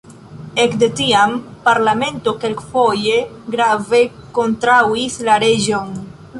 Ekde tiam, parlamento kelkfoje grave kontraŭis la reĝon.